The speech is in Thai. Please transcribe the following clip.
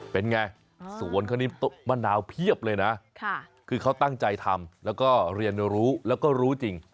เป็นไงสวนเขานี่มะนาวเพียบเลยนะคือเขาตั้งใจทำแล้วก็เรียนรู้แล้วก็รู้จริง